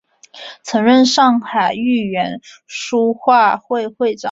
曾任上海豫园书画会会长。